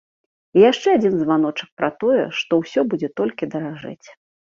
І яшчэ адзін званочак пра тое, што ўсё будзе толькі даражэць.